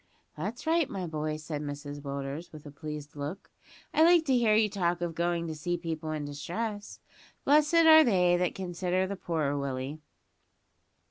"That's right, my boy," said Mrs Willders, with a pleased look; "I like to hear you talk of going to see people in distress. `Blessed are they that consider the poor,' Willie."